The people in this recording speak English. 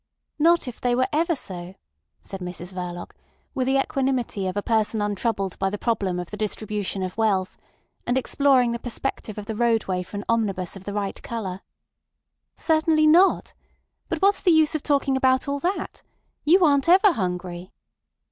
"Not if they were ever so," said Mrs Verloc, with the equanimity of a person untroubled by the problem of the distribution of wealth, and exploring the perspective of the roadway for an omnibus of the right colour. "Certainly not. But what's the use of talking about all that? You aren't ever hungry."